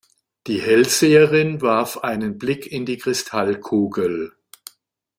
Die Hellseherin warf einen Blick in die Kristallkugel.